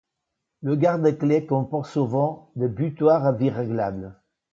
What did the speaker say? Le garde-clés comporte souvent des butoirs à vis réglables.